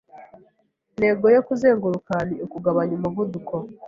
Intego yo kuzenguruka ni ukugabanya umuvuduko.